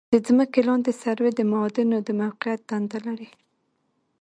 د ځمکې لاندې سروې د معادنو د موقعیت دنده لري